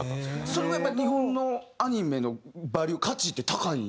それぐらい日本のアニメのバリュー価値って高い？